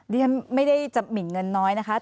เรียนไม่ได้จะหมินเงินน้อยนะคะ